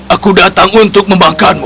aku datang untuk membangkanku